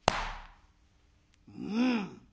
「うん。